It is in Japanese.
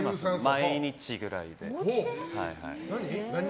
毎日ぐらい。